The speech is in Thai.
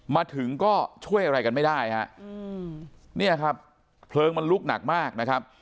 มาถึงก็ช่วยอะไรกันไม่ได้ฮะเนี่ยครับเพลิงมันลุกหนักมากนะครับ